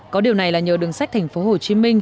có điều này là nhờ đường sách tp hcm